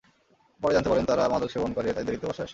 পরে জানতে পারেন, তারা মাদক সেবন করে, তাই দেরিতে বাসায় আসে।